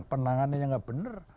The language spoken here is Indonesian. penanganannya nggak bener